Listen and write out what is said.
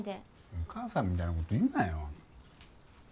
お母さんみたいなこと言うなよ。